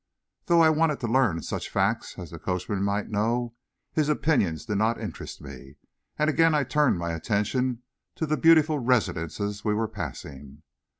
Though I wanted to learn such facts as the coachman might know, his opinions did not interest me, and I again turned my attention to the beautiful residences we were passing.